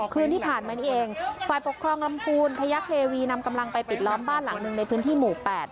คืนที่ผ่านมานี้เองฝ่ายปกครองลำพูนพยักเทวีนำกำลังไปปิดล้อมบ้านหลังหนึ่งในพื้นที่หมู่๘